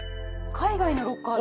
海外のロッカーだ。